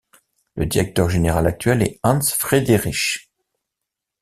Le directeur général actuel est Hans Friederich.